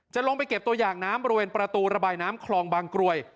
ลงไปเก็บตัวอย่างน้ำบริเวณประตูระบายน้ำคลองบางกรวย